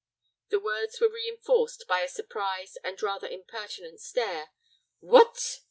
The words were reinforced by a surprised and rather impertinent stare. "What!"